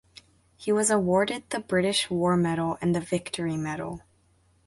He was awarded the British War Medal and the Victory Medal.